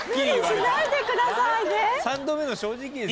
無理しないでくださいね。